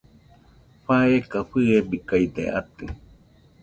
faeka fɨebikaide atɨ